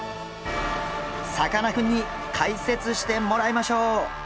さかなクンに解説してもらいましょう！